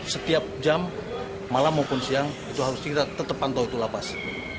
setiap jam malam maupun siang itu harus kita tetap pantau itu lapas